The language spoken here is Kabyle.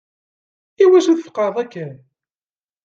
Iwacu tfeqeɛeḍ akken?